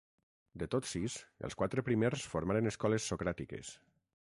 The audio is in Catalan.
De tots sis, els quatre primers formaren escoles socràtiques.